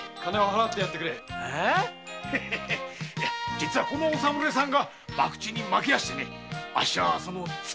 実はこのお侍さんがバクチに負けてあっしはその付馬。